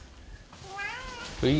はい。